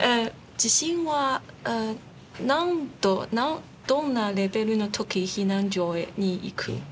地震は何度どんなレベルの時避難所に行く？